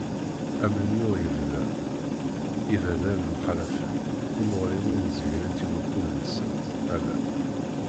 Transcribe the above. Amennuɣ yebḍa, iberdan mxalafen, timuɣliwin zegrent i wakkud-nsent, ala.